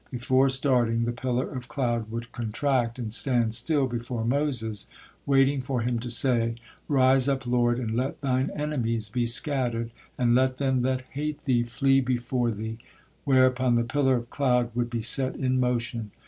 Before starting the pillar of cloud would contract and stand still before Moses, waiting for him to say: "Rise up, Lord, and let Thine enemies be scattered; and let them that hate Thee flee before Thee," whereupon the pillar of cloud would be set in motion.